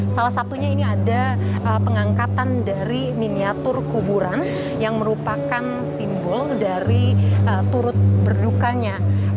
salah satunya ini ada pengangkatan dari miniatur kuburan yang merupakan simbol dari turut berdukanya